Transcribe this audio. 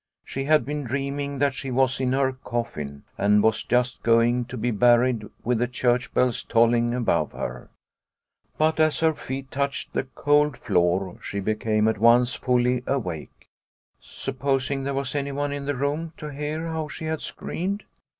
She had been dreaming that she was in her coffin, and was just going to be buried with the church bells tolling above her. But as her feet touched the cold floor she became at once fully awake. Supposing there was anyone in the room to hear how she had screamed